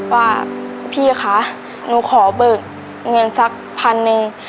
ว่าพี่คะหนูขอเบิกเงินสักพันหนึ่ง